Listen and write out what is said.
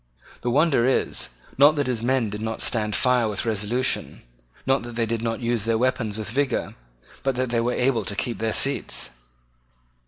The wonder is, not that his men did not stand fire with resolution, not that they did not use their weapons with vigour, but that they were able to keep their seats.